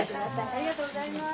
ありがとうございます。